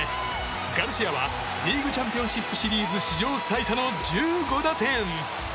ガルシアはリーグチャンピオンシップ史上最多の１５打点！